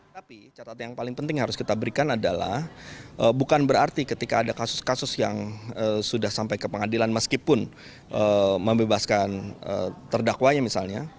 tapi catatan yang paling penting harus kita berikan adalah bukan berarti ketika ada kasus kasus yang sudah sampai ke pengadilan meskipun membebaskan terdakwanya misalnya